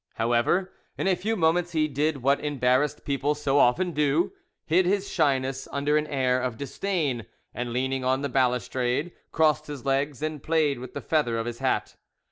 However, in a few moments he did what embarrassed people so often do, hid his shyness under an air of disdain, and, leaning on the balustrade, crossed his legs and played with the feather of his hat.